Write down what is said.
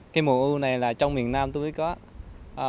cây mùa u này là trong miền nam tôi mới có